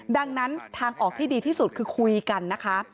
ดังนั้นทางออกที่ดีที่สุดคือคุยกันนะคะ